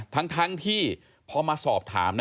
ทั้งที่พอมาสอบถาม